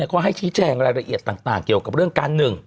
เขาให้ชี้แจงรายละเอียดต่างเกี่ยวกับเรื่องการหนึ่ง